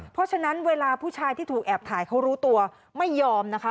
เพราะฉะนั้นเวลาผู้ชายที่ถูกแอบถ่ายเขารู้ตัวไม่ยอมนะคะ